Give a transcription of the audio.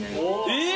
えっ！